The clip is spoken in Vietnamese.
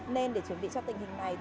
nên để chuẩn bị cho tình hình này